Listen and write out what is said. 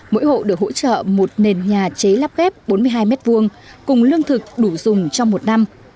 mỗi hộ được hỗ trợ một nền nhà chế lắp ghép bốn mươi hai m hai cùng lương thực đủ dùng trong một năm